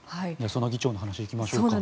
その議長の話に行きましょうか。